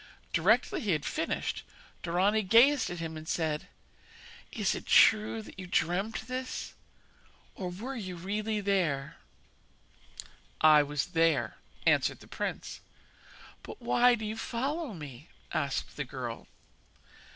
Directly he had finished Dorani gazed at him, and said: 'Is it true that you dreamt this, or were you really there?' 'I was there,' answered the prince. 'But why do you follow me?' asked the girl.